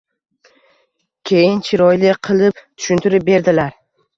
Keyin chiroyli qilib tushuntirib berdilar.